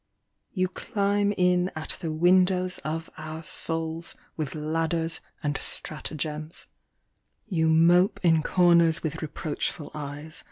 You climb in at the windows of our souls With ladders and stratagems, 58 Imposture. You mope in corners with reproachful eyes.